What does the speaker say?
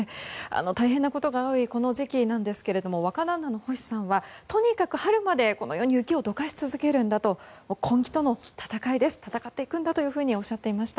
大変なことが多いこの時期なんですが若旦那の星さんはとにかく春まで雪をどかし続けるんだと根気との戦ですと戦っていくんだとおっしゃっていました。